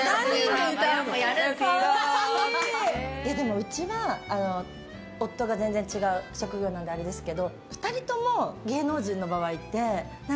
うちは夫が全然違う職業何であれですけど。